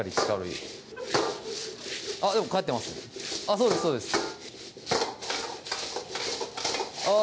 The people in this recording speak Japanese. そうですそうですあぁ